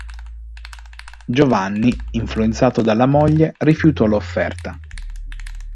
Giovanni, influenzato dalla moglie, rifiutò l'offerta.